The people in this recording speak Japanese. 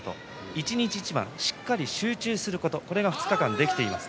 一日一番、しっかり集中することそれが２日間できています。